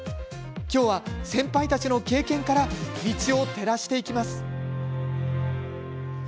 今日は先輩たちの経験から道を照らしていきます。